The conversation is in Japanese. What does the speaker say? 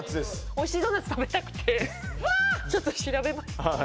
おいしいドーナツ食べたくてちょっと調べました